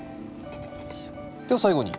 では最後に。